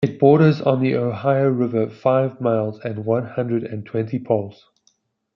It borders on the Ohio River five miles and one hundred and twenty poles.